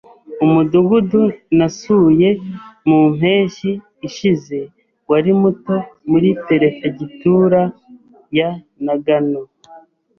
Umudugudu nasuye mu mpeshyi ishize wari muto muri perefegitura ya Nagano.